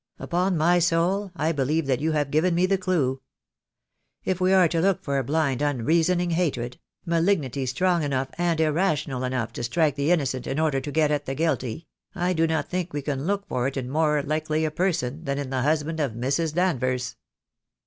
Upon my soul I believe that you have given me the clue. If we are to look for a blind unreasoning hatred — ma lignity strong enough and irrational enough to strike the innocent in order to get at the guilty — I do not think we can look for it in a more likely person than in the husband of Mrs. Danvers."